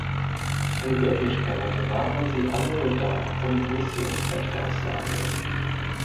In Wirklichkeit waren sie alle nur da, um Emissionsrechte auszuhandeln.